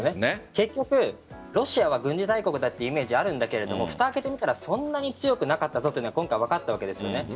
結局、ロシア軍事大国だというイメージがあるけどふたを開けてみたらそんなに強くなかったというのが今回、分かったわけです。